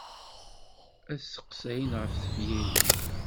Ad seqsayen ɣef tefyirin.